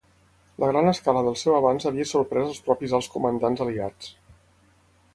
La gran escala del seu avanç havia sorprès als propis alts comandants aliats.